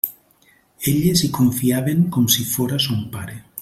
Elles hi confiaven com si fóra son pare.